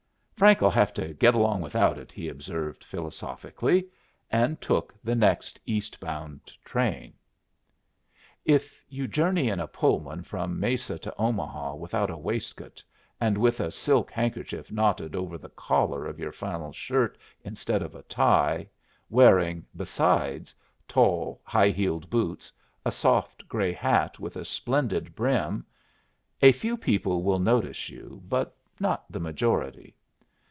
"Frank'll have to get along without it," he observed, philosophically, and took the next eastbound train. If you journey in a Pullman from Mesa to Omaha without a waistcoat, and with a silk handkerchief knotted over the collar of your flannel shirt instead of a tie, wearing, besides, tall, high heeled boots, a soft, gray hat with a splendid brim, a few people will notice you, but not the majority.